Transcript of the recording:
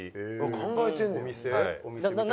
考えてんねや。